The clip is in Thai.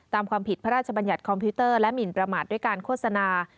ตามความผิดพระราชบัญญัติคอมพิวเตอร์และหมินประมาทด้วยการโฆษณา